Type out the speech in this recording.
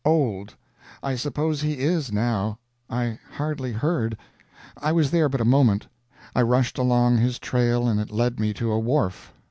"Old!" I suppose he is, now. I hardly heard; I was there but a moment. I rushed along his trail, and it led me to a wharf.